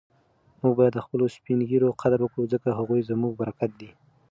موږ باید د خپلو سپین ږیرو قدر وکړو ځکه هغوی زموږ برکت دی.